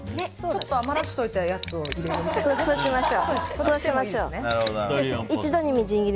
ちょっと余らせといたやつを入れるみたいな。